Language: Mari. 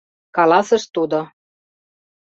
— каласыш тудо.